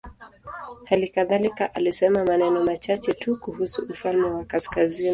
Hali kadhalika alisema maneno machache tu kuhusu ufalme wa kaskazini.